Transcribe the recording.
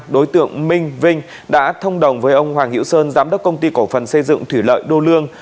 đối tượng minh vinh đã thông đồng với ông hoàng hiễu sơn giám đốc công ty cổ phần xây dựng thủy lợi đô lương